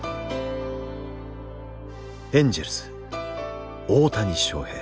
エンジェルス大谷翔平。